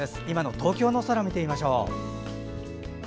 今の東京の空を見て見ましょう。